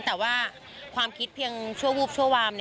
แต่ว่าความคิดเพียงชั่ววูบชั่ววาม